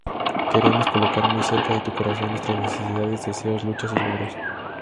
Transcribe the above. Queremos colocar muy cerca de tu corazón nuestras necesidades, deseos, luchas y logros.